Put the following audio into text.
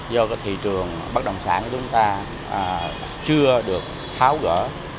do thị trường bất đồng sản của chúng ta chưa được tháo gỡ